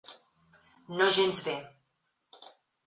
No gens bé.